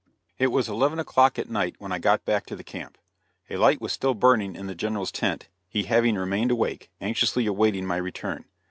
It was eleven o'clock at night when I got back to the camp. A light was still burning in the General's tent, he having remained awake, anxiously awaiting my return.